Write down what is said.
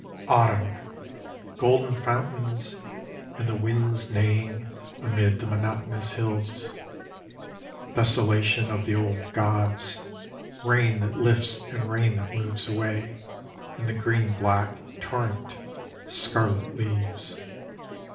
Autumn! Golden fountains, And the winds neighing Amid the monotonous hills: Desolation of the old gods, Rain that lifts and rain that moves away; In the greenback torrent Scarlet leaves.